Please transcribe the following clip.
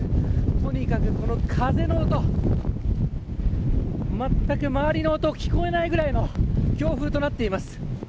とにかくこの風の音まったく周りの音が聞こえないくらいの強風となっています。